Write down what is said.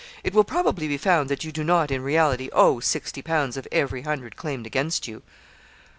It will probably be found that you do not in reality owe sixty pounds of every hundred claimed against you.'